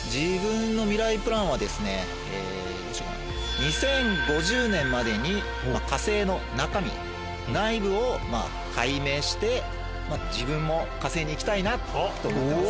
２０５０年までに火星の中身内部を解明して自分も火星に行きたいなって思ってます。